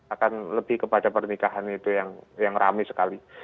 akan lebih kepada pernikahan itu yang rame sekali